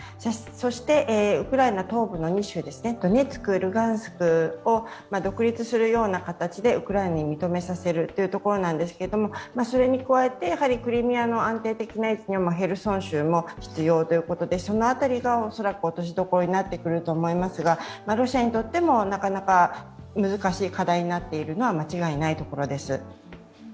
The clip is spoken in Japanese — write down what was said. そしてウクライナ東部の２州、ドネツク、ルハンシクを独立するような形でウクライナに認めさせるというところですけれども、それに加えて、クリミアの安定的な維持にはヘルソン州も必要ということで、その辺りが恐らく落としどころになってくると思いますがロシアにとっても、なかなか難しい課題になっていることは間違いないところです。